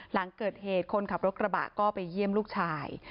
หลังเกิดเหตุคนขับรถกระบะก็ไปเยี่ยมลูกชาย